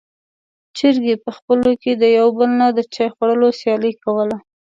چرګې په خپلو کې د يو بل نه د چای خوړلو سیالي کوله.